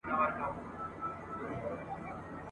کابله بیا دي اجل راغلی !.